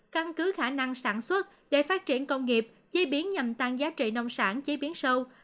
căn cứ khả năng sản xuất để phát triển công nghiệp chế biến nhằm tăng giá trị nông sản chế biến sâu